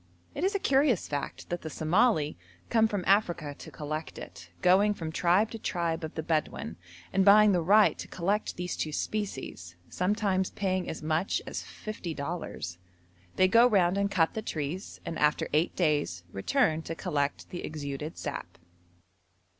It is a curious fact that the Somali come from Africa to collect it, going from tribe to tribe of the Bedouin, and buying the right to collect these two species, sometimes paying as much as fifty dollars. They go round and cut the trees, and after eight days return to collect the exuded sap.